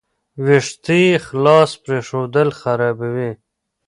ویښتې خلاص پریښودل خرابوي.